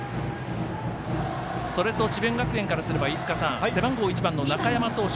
それと、智弁学園からすると背番号１番の中山投手